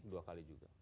dua kali juga